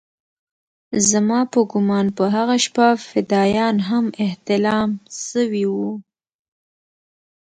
زما په ګومان په هغه شپه فدايان هم احتلام سوي وو.